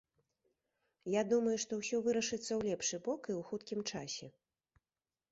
Я думаю, што ўсё вырашыцца ў лепшы бок і ў хуткім часе.